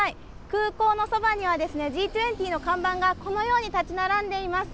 空港のそばにはＧ２０の看板がこのように立ち並んでいます。